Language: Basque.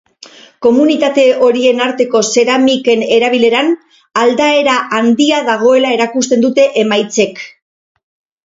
Komunitate horien arteko zeramiken erabileran aldaera handia dagoela erakusten dute emaitzek.